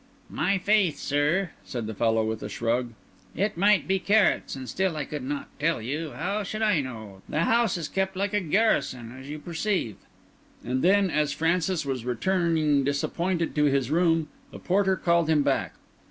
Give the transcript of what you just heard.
"My faith, sir," said the fellow with a shrug, "it might be carrots, and still I could not tell you. How should I know? The house is kept like a garrison, as you perceive." And then as Francis was returning disappointed to his room, the porter called him back.